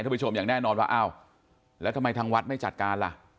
ผู้ชมอย่างแน่นอนว่าอ้าวแล้วทำไมทางวัดไม่จัดการล่ะ